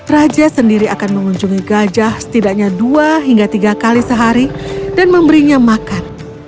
raja sendiri akan mengunjungi gajah setidaknya dua hingga tiga kali sehari dan memberinya makan